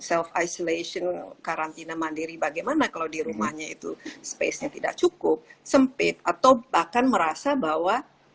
self isolation karantina mandiri bagaimana kalau di rumahnya itu space nya tidak cukup sempit atau bahkan merasa bahwa